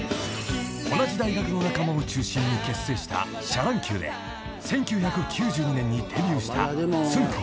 ［同じ大学の仲間を中心に結成したシャ乱Ｑで１９９２年にデビューしたつんく♂］